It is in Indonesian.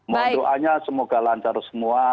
mohon doanya semoga lancar semua